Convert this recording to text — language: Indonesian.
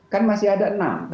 kan masih ada enam